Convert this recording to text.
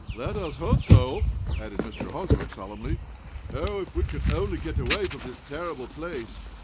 "Let us hope so," added Mr. Hosbrook, solemnly. "Oh, if we could only get away from this terrible place!